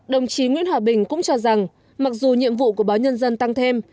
đồng chí nguyễn hòa bình cũng cho rằng mặc dù nhiệm vụ của báo nhân dân tăng thêm